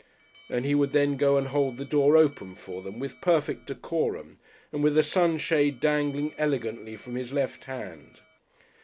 And he would then go and hold the door open for them with perfect decorum and with the sunshade dangling elegantly from his left hand....